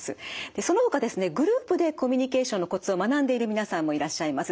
そのほかですねグループでコミュニケーションのコツを学んでいる皆さんもいらっしゃいます。